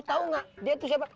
lu tau gak dia itu siapa